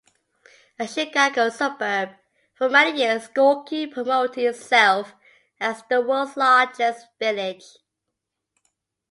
A Chicago suburb, for many years Skokie promoted itself as "The World's Largest Village".